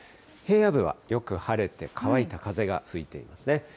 平野部はよく晴れて乾いた風が吹いていますね。